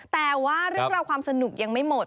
แต่ว่าเรื่องราวความสนุกยังไม่หมด